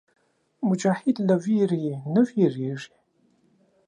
مجاهد له ویرې نه وېرېږي.